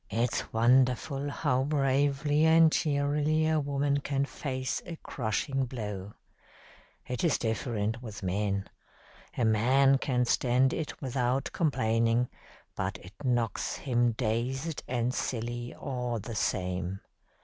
"It's wonderful how bravely and cheerily a woman can face a crushing blow. It is different with men. A man can stand it without complaining, but it knocks him dazed and silly all the same.